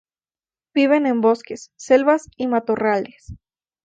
Viven en bosques, selvas y matorrales.